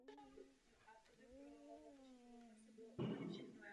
K autu dostanete jeden černý a jeden červený klíč.